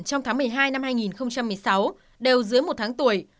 trong tháng một mươi hai năm hai nghìn một mươi sáu đều dưới một tháng tuổi